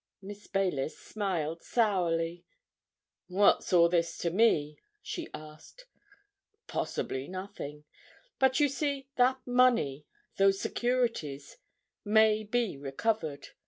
Miss Baylis smiled sourly. "What's all this to me?" she asked. "Possibly nothing. But you see, that money, those securities, may be recovered.